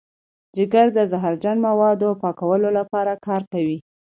جگر د زهرجن موادو پاکولو لپاره کار کوي.